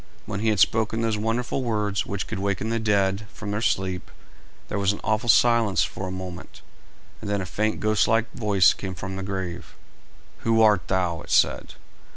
When he had spoken those wonderful words which could waken the dead from their sleep, there was an awful silence for a moment, and then a faint ghost like voice came from the grave. "Who art thou?" it said.